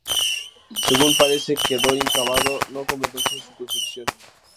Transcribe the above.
Según parece, quedó inacabado, no completándose su construcción.